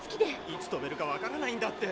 いつ飛べるかわからないんだって。